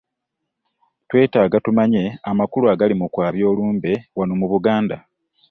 Twetaaga tumanye amakulu agali mu kwabya olumbe wano mu Buganda.